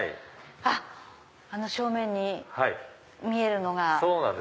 あっ正面に見えるのが。